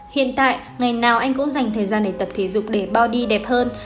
hiện tại ngày nào anh cũng dành thời gian để tập thể dục để body đẹp hơn